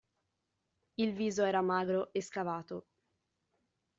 Il viso era magro e scavato.